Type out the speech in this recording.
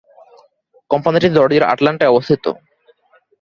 কোম্পানিটি জর্জিয়ার আটলান্টায় অবস্থিত।